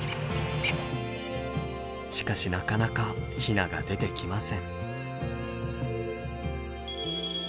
しかしなかなかヒナが出てきません。